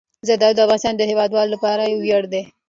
زردالو د افغانستان د هیوادوالو لپاره یو ویاړ دی.